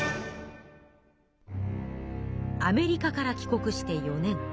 アメリカから帰国して４年。